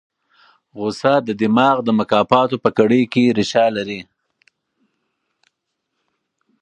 غوسه د دماغ د مکافاتو په کړۍ کې ریښه لري.